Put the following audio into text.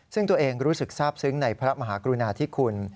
ซึ่งตัวเองรู้สึกทราบซึ้งในพระมหากรุณาธิคุณ